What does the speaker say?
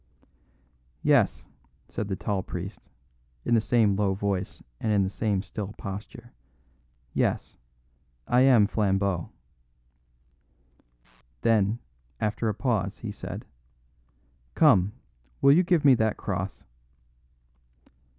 "Yes," said the tall priest, in the same low voice and in the same still posture, "yes, I am Flambeau." Then, after a pause, he said: "Come, will you give me that cross?"